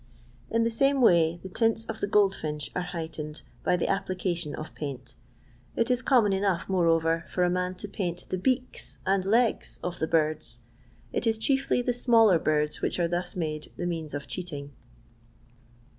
In the same way the tints of the goldfinch are heightened by the application of paint It is common enough, moreover, for a man to paint the beaks and less of the birds. It is chiefly the smaller birds which are thus made the means of cheating.